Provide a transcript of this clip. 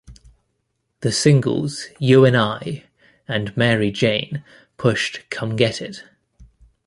The singles, "You and I" and "Mary Jane" pushed "Come Get It!